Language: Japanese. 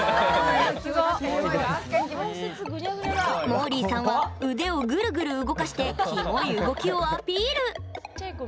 もーりーさんは腕をぐるぐる動かしてキモい動きをアピール！